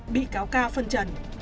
bị cáo ca phân trần